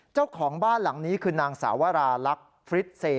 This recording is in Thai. เจ้าของบ้านหลังนี้คือนางสาวราลักษณ์ฟริสเซ